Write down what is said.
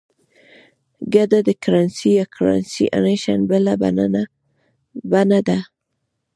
ګډه کرنسي یا Currency Union بله بڼه ده.